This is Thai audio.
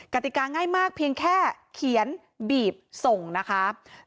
กติกาง่ายมากเพียงแค่เขียนบีบส่งนะคะ